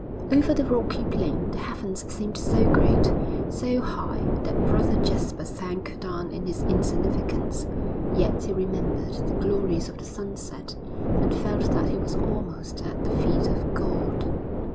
Over the rocky plain the heavens seemed so great, so high, that Brother Jasper sank down in his insignificance; yet he remembered the glories of the sunset, and felt that he was almost at the feet of God.